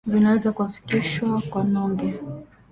vinaweza kuakifishwa kwa nunge,